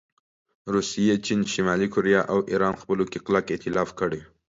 روسیې، چین، شمالي کوریا او ایران خپلو کې کلک ایتلاف کړی